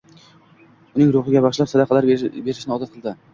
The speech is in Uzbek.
uning ruhiga bag'ishlab sadaqalar bermoqni odat qildi